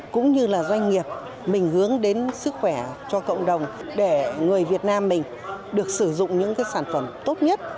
cũng như là doanh nghiệp mình hướng đến sức khỏe cho cộng đồng để người việt nam mình được sử dụng những sản phẩm tốt nhất